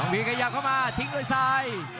มีขยับเข้ามาทิ้งด้วยซ้าย